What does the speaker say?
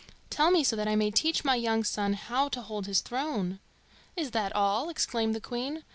Tell me so that I may teach my young son how to hold his throne?" "Is that all?" exclaimed the Queen.